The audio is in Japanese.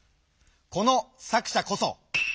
この作者こそ。